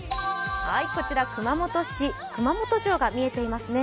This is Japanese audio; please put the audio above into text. こちら熊本市、熊本城が見えていますね。